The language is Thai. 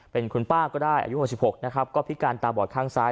เป็นคุณป้าก็ได้อายุ๖๖นะครับก็พิการตาบอดข้างซ้าย